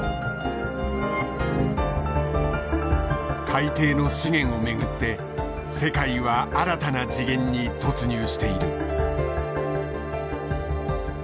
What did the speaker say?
海底の資源をめぐって世界は新たな次元に突入している。